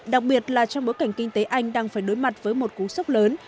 đặc biệt là trong bối cảnh kinh tế anh đang phải đối mặt với một cú sốc lớn